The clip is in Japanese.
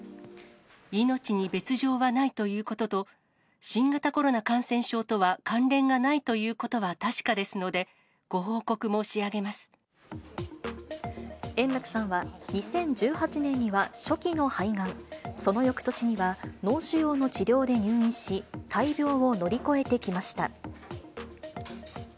命に別状はないということと、新型コロナ感染症とは関連がないということは確かですので、円楽さんは、２０１８年には初期の肺がん、その翌年には脳腫瘍の治療で入院し、大病を乗り越えてきました。